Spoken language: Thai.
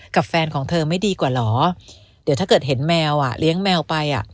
แฟนของเธอไม่ดีกว่าเหรอเดี๋ยวถ้าเกิดเห็นแมวอ่ะเลี้ยงแมวไปอ่ะ